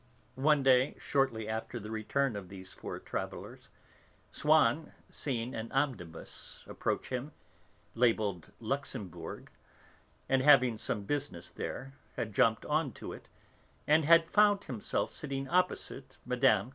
One day, shortly after the return of these four travellers, Swann, seeing an omnibus approach him, labelled 'Luxembourg,' and having some business there, had jumped on to it and had found himself sitting opposite Mme.